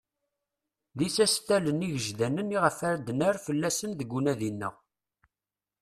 D isastalen igejdanen iɣef ad d-nerr fell-asen deg unadi-a-nneɣ.